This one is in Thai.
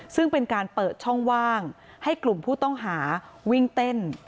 ซึ่งเป็นการเปิดช่องว่างให้กลุ่มผู้ต้องหาวิ่งเต้น